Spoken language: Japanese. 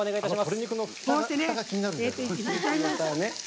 鶏肉のふたが気になるんだよね。